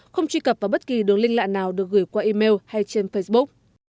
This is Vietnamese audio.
không truy cập vào bất kỳ đường link lạ nào được gửi qua email hay trên facebook